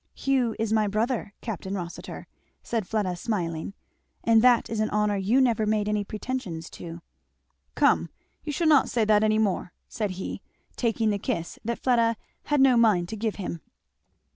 "Hugh is my brother, Capt. Rossitur," said Fleda smiling, and that is an honour you never made any pretensions to." "Come, you shall not say that any more," said he, taking the kiss that Fleda had no mind to give him.